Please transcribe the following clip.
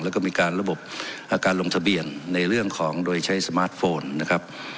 แล้วก็มีการระบบการลงทะเบียนในเรื่องของโดยใช้สมาร์ทโฟนนะครับ